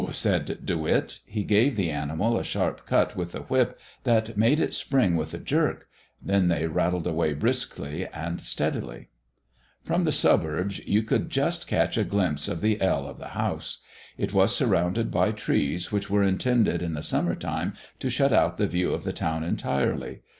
said De Witt. He gave the animal a sharp cut with the whip that made it spring with a jerk. Then they rattled away briskly and steadily. From the suburbs you could just catch a glimpse of the ell of the house. It was surrounded by trees, which were intended in the summertime to shut out the view of the town entirely.